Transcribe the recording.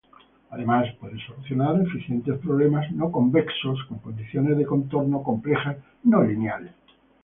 Además, puede solucionar eficientemente problemas no convexos con condiciones de contorno complejas no lineales.